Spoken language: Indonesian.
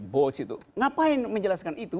bots itu ngapain menjelaskan itu